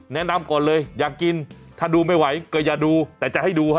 แนะนำก่อนเลยอยากกินถ้าดูไม่ไหวก็อย่าดูแต่จะให้ดูฮะ